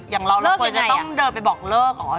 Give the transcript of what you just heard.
อย่างเราเราควรจะต้องเดินไปบอกเลิกเหรอ